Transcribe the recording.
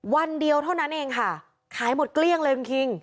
วันเดียวเท่านั้นเองค่ะขายหมดเกลี้ยงเลยคุณคิง